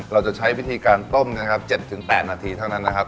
เราจะใช้วิธีการต้มนะครับ๗๘นาทีเท่านั้นนะครับ